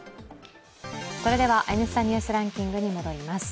それでは「Ｎスタ・ニュースランキング」に戻ります。